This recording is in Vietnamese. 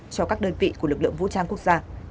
cho các đơn vị của lực lượng vũ trang quốc gia